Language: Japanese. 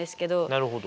なるほど。